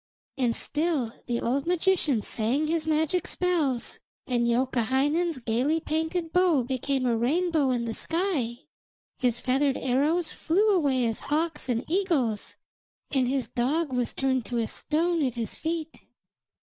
And still the old magician sang his magic spells, and Youkahainen's gaily painted bow became a rainbow in the sky, his feathered arrows flew away as hawks and eagles, and his dog was turned to a stone at his feet.